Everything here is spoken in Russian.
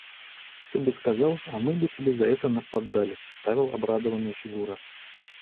Ты бы сказал, а мы бы тебе за это наподдали, – вставил обрадованный Фигура.